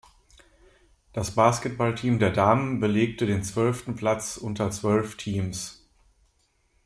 Das Basketballteam der Damen belegte den zwölften Platz unter zwölf Teams.